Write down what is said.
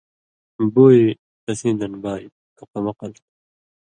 بُوئ تسیں دن بانیۡ تُو قمقل تُھو